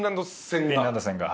フィンランド戦が？